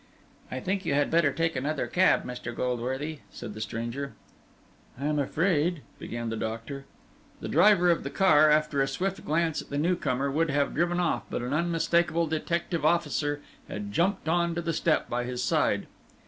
"I think you had better take another cab, Dr. Goldworthy," said the stranger. "I am afraid " began the doctor. The driver of the car, after a swift glance at the new comer, would have driven off, but an unmistakable detective officer had jumped on to the step by his side.